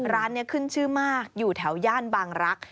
ร้านนี้ขึ้นชื่อมากอยู่แถวย่านบางรัก